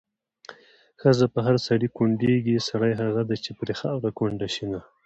ښځه په هر سړي کونډېږي، سړی هغه دی چې پرې خاوره کونډه شېنه